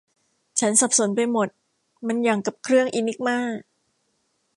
ฉันสับสนไปหมด มันอย่างกับเครื่องอินิกมา